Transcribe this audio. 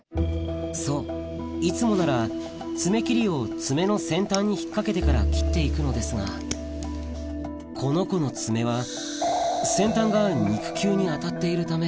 そういつもなら爪切りを爪の先端に引っ掛けてから切って行くのですがこの子の爪は先端が肉球に当たっているため